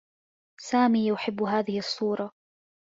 سامي يحبّ هذه الصّورة.